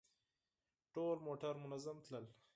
ټول موټر منظم تلل.